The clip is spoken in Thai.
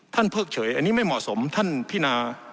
เพิกเฉยอันนี้ไม่เหมาะสมท่านพินา